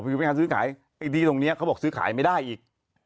อีกทีตรงนี้เขาบอกซื้อขายไม่ได้อีก